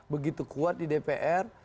begitu kuat di dpr